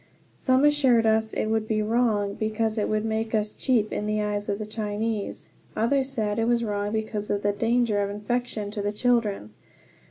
Some assured us it was wrong, because it would make us cheap in the eyes of the Chinese; others said it was wrong because of the danger of infection to the children.